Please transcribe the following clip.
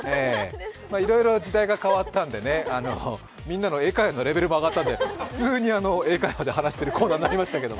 いろいろ時代が変わったんでね、みんなの英会話のレベルも上がったんで普通に英会話で話しているコーナーになりましたけど。